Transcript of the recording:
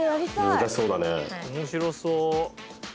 面白そう。